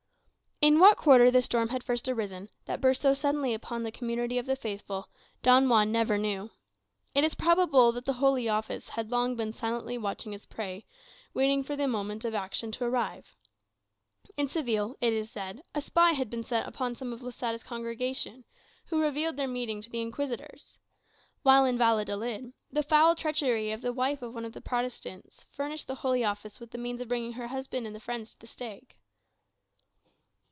In what quarter the storm had first arisen, that burst so suddenly upon the community of the faithful, Don Juan never knew. It is probable the Holy Office had long been silently watching its prey, waiting for the moment of action to arrive. In Seville, it is said, a spy had been set upon some of Losada's congregation, who revealed their meeting to the Inquisitors. While in Valladolid, the foul treachery of the wife of one of the Protestants furnished the Holy Office with the means of bringing her husband and his friends to the stake.